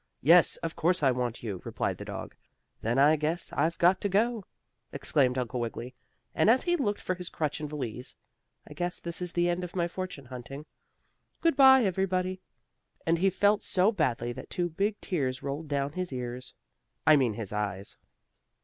"Yes, of course I want you," replied the dog. "Then I guess I've got to go!" exclaimed Uncle Wiggily, as he looked for his crutch and valise. "I guess this is the end of my fortune hunting. Goodbye everybody!" And he felt so badly that two big tears rolled down his ears I mean his eyes.